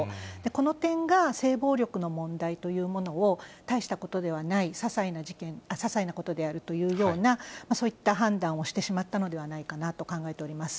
この点が、性暴力の問題というものをたいしたことではない、ささいなことであるというような、そういった判断をしてしまったのではないかなと考えております。